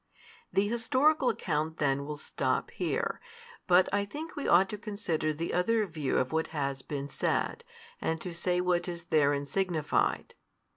The historical account then will stop here, but I think we ought to consider the other view of what has been said, and to say what is therein signified.